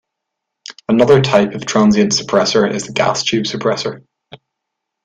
Another type of transient suppressor is the gas-tube suppressor.